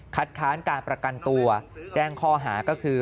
ค้านการประกันตัวแจ้งข้อหาก็คือ